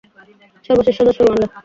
সর্বশেষ সদস্য রুয়ান্ডা।